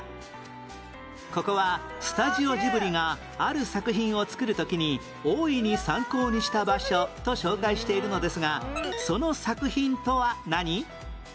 ここはスタジオジブリがある作品を作る時に「大いに参考にした場所」と紹介しているのですがその作品とは何？